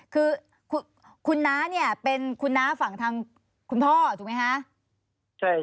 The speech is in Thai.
คือคุณน้าเนี่ยเป็นคุณน้าฝั่งทางคุณพ่อถูกไหมคะ